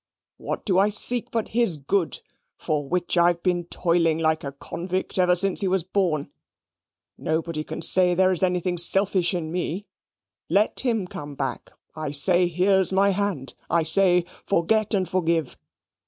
What do I seek but his good, for which I've been toiling like a convict ever since he was born? Nobody can say there's anything selfish in me. Let him come back. I say, here's my hand. I say, forget and forgive.